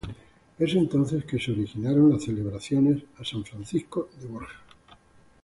Es entonces que se originaron las celebraciones a San Francisco de Borja.